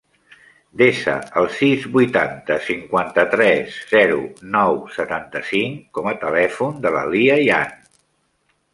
Desa el sis, vuitanta, cinquanta-tres, zero, nou, setanta-cinc com a telèfon de la Lia Yan.